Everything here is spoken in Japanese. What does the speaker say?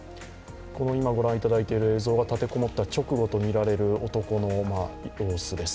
今ご覧いただいている映像が立て籠もった直後の男の様子です。